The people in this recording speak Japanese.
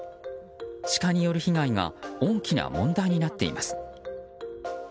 シカによる被害が大きな問題になっています。